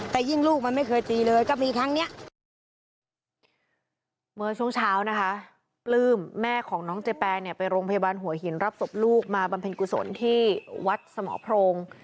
ปลื้มแม่ของน้องเจแปงไปโรงพยาบาลหัวหินรับศพลูกมาบำเพ็ญกุศลที่วัดสมองโพรง